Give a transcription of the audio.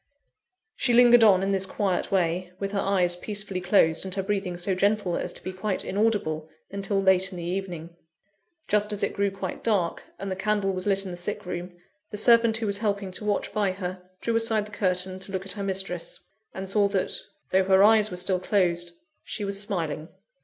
She lingered on in this quiet way, with her eyes peacefully closed, and her breathing so gentle as to be quite inaudible, until late in the evening. Just as it grew quite dark, and the candle was lit in the sick room, the servant who was helping to watch by her, drew aside the curtain to look at her mistress; and saw that, though her eyes were still closed, she was smiling.